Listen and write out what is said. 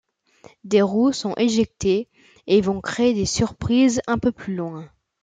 Les roues sont éjectées et vont créer des surprises un peu plus loin.